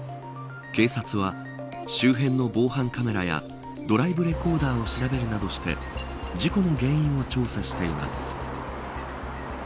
警察は、周辺の防犯カメラやドライブレコーダーを調べるなどして事故の原因を調査しています。